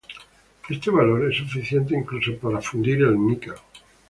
Este valor es suficiente incluso para fundir el níquel.